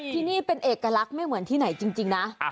ที่นี่เป็นเอกลักษณ์ไม่เหมือนที่ไหนจริงนะ